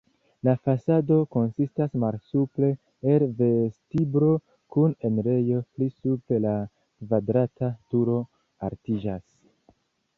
La fasado konsistas malsupre el vestiblo kun enirejo, pli supre la kvadrata turo altiĝas.